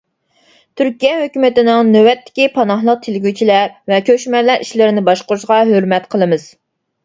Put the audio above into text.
تۈركىيە ھۆكۈمىتىنىڭ نۆۋەتتىكى پاناھلىق تىلىگۈچىلەر ۋە كۆچمەنلەر ئىشلىرىنى باشقۇرۇشىغا ھۆرمەت قىلىمىز.